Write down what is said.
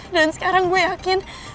dan sekarang gue yakin